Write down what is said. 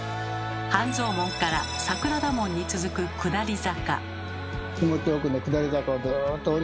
半蔵門から桜田門に続く下り坂。